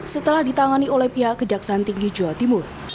setelah ditangani oleh pihak kejaksaan tinggi jawa timur